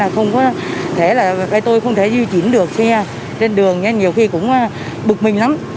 tôi thấy là tôi không thể di chuyển được xe trên đường nhiều khi cũng bực mình lắm